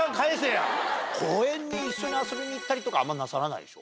公園に一緒に遊びに行ったりとかあんまなさらないでしょ？